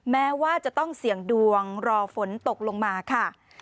แม้ว่าจะต้องเสี่ยงดวงรอฝนตกลงมาค่ะ